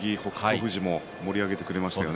富士も盛り上げてくれましたよね。